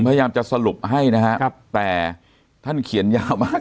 พยายามจะสรุปให้นะครับแต่ท่านเขียนยาวมาก